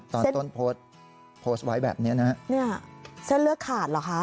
ตอนต้นโพสต์โพสต์ไว้แบบเนี้ยนะฮะเนี่ยเส้นเลือดขาดเหรอคะ